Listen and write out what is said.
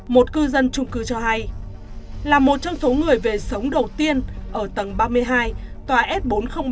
một cư dân trung cư cho hay là một trong số người về sống đầu tiên ở tầng ba mươi hai tòa s bốn trăm linh ba